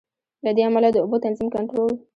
له دې امله د اوبو تنظیم، کنټرول.